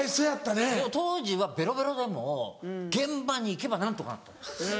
でも当時はベロベロでも現場に行けば何とかなった。